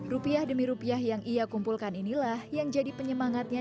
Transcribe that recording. rupiah demi rupiah yang ia kumpulkan inilah yang jadi penyemangatnya